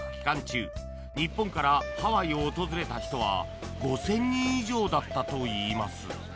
中日本からハワイを訪れた人は５０００人以上だったといいます。